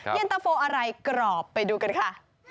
เย็นตะโฟอะไรกรอบไปดูกันค่ะ